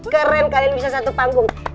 keren kalian bisa satu panggung